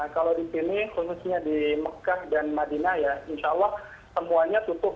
kalau di sini khususnya di mekah dan madinah ya insya allah semuanya tutup